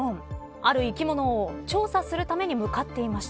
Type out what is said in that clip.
ある生き物を調査するために向かっていました。